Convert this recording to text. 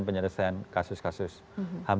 penyelesaian kasus kasus ham